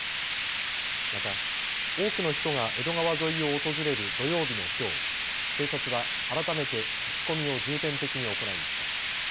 また多くの人が江戸川沿いを訪れる土曜日のきょう警察は改めて聞き込みを重点的に行いました。